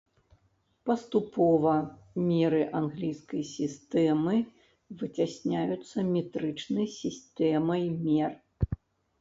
Паступова меры англійскай сістэмы выцясняюцца метрычнай сістэмай мер.